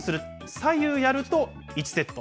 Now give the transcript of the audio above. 左右やると１セット。